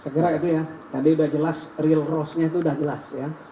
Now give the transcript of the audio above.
sekiranya itu ya tadi udah jelas real roastnya itu udah jelas ya